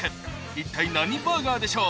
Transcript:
一体何バーガーでしょう？